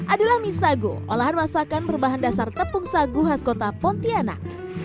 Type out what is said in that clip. adalah misago olahan masakan berbahan dasar tepung sagu khas kota pontianak